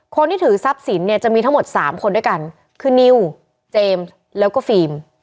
คนที่ถือทรัพย์สินเนี่ยจะมีทั้งหมด๓คนด้วยกันคือนิวเจมส์แล้วก็ฟิล์ม